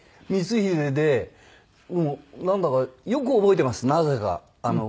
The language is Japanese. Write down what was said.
光秀でなんだかよく覚えてますなぜか。